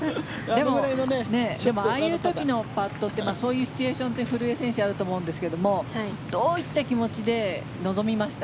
ああいう時のパットってそういうシチュエーションって古江選手、あると思うんですがどういった気持ちで臨みました？